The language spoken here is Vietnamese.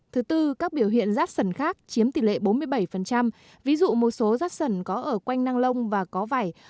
thứ tư các biểu hiện rát sẩn khác chiếm tỷ lệ bốn mươi bảy ví dụ một số rát sẩn có ở quanh năng lông và có vải